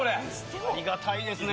ありがたいですね！